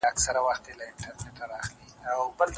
د ژوند له ټاله به لوېدلی یمه